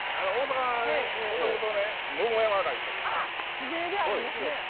地名でありますね。